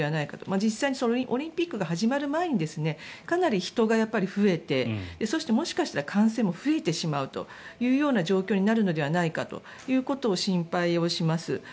実際にオリンピックが始まる前にかなり人が増えてそして、もしかしたら感染も増えてしまうという状況になるのではないかということを心配をします。